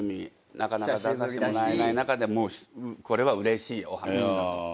なかなか出させてもらえない中でこれはうれしいお話だと。